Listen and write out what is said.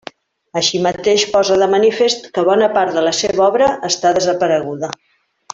Així mateix, posa de manifest que bona part de la seva obra està desapareguda.